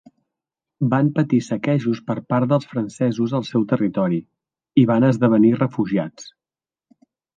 Van patir saquejos per part dels francesos al seu territori, i van esdevenir refugiats.